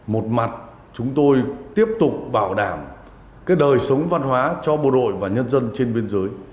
một mặt chúng tôi tiếp tục bảo đảm cái đời sống văn hóa cho bộ đội và nhân dân trên biên giới